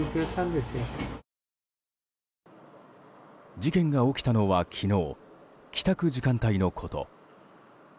事件が起きたのは昨日帰宅時間帯のこと。